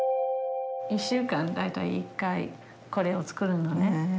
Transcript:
１週間に大体１回これを作るのね。